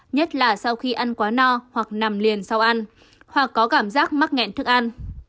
nhất là sau khi ăn quá no hoặc nằm liền sau ăn hoặc có cảm giác mắc nghẹn thức ăn